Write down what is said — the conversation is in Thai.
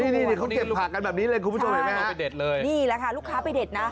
นี่เขาเก็บผักกันแบบนี้เลยคุณผู้ชมเห็นไหมฮะนี่แหละค่ะลูกค้าไปเด็ดนะ